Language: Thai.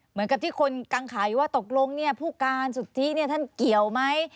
เหมือนกับที่คนกังขาอยู่ว่าตกลงผู้การสุทธิท่านเกี่ยวไหม